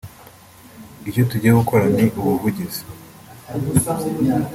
icyo tugiye gukora ni ubuvugizi